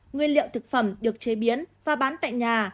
nguyên liệu thực phẩm được chế biến và bán tại nhà